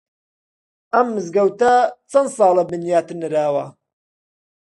ئەم مزگەوتە چەند ساڵە بنیات نراوە؟